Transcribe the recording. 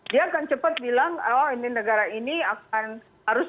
dia akan cepat bilang oh ini negara ini akan harus